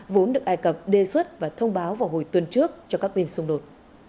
vốn được ai cập đề xuất và thông báo vào hồi tuần trước cho các bên xung đột